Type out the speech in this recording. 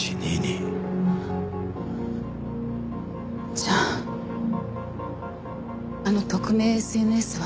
じゃああの匿名ＳＮＳは。